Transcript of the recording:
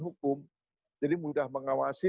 hukum jadi mudah mengawasi